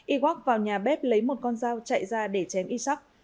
iwak vào nhà bếp lấy một con dao chạy ra để chém isak